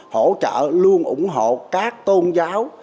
hỗ trợ luôn ủng hộ các tôn giáo